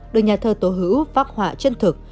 đời nhà thơ tổ hữu phác họa chân thực